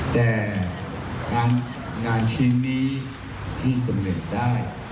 แต่งานชิ้นนี้ที่สำเร็จได้